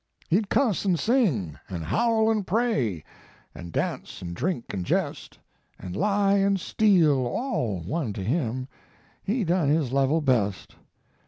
His Life and Work. 63 He d cuss and sing and howl and pray, And dance and drink and jest, And lie and steal all one to him He done his level best.